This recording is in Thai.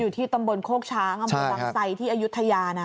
อยู่ที่ตำบลโคกช้างอำนาจบังไซค์ที่อายุทยานา